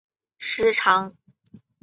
时常发酒疯